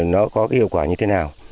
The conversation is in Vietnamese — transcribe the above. nó có cái hiệu quả như thế nào